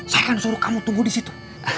saya kan suruh kamu tunggu disitu